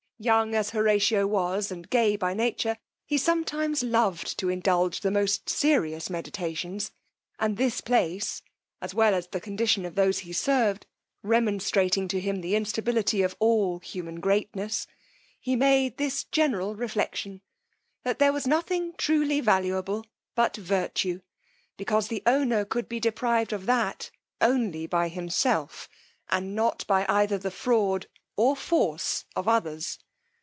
Young as Horatio was, and gay by nature, he sometimes loved to indulge the most serious meditations; and this place, as well as the condition of those he served, remonstrating to him the instability of all human greatness, he made this general reflection, that there was nothing truly valuable but virtue, because the owner could be deprived of that only by himself, and not by either the fraud or force of others.